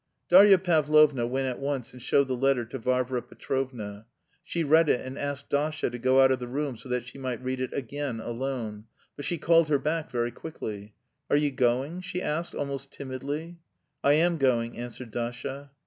Darya Pavlovna went at once and showed the letter to Varvara Petrovna. She read it and asked Dasha to go out of the room so that she might read it again alone; but she called her back very quickly. "Are you going?" she asked almost timidly. "I am going," answered Dasha.